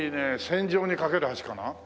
『戦場にかける橋』かな？